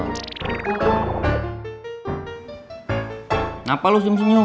kenapa lu senyum senyum